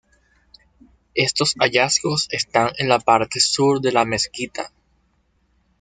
Estos hallazgos están en la parte sur de la mezquita.